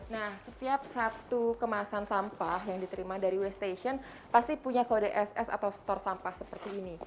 nah setiap satu kemasan sampah yang diterima dari waste station pasti punya kode ss atau store sampah seperti ini